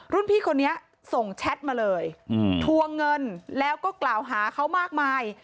พี่คนนี้ส่งแชทมาเลยทวงเงินแล้วก็กล่าวหาเขามากมาย